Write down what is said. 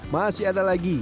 masih ada lagi